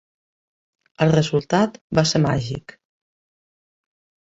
El resultat va ser màgic.